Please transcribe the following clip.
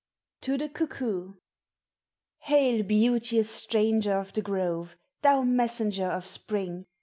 to tin: cuckoo. Hail, beauteous stranger of the grove! Thou messenger of spring!